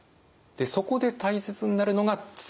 そこで大切になるのが次。